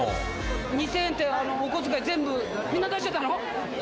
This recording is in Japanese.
２０００円ってお小遣い全部みんな出しちゃったの？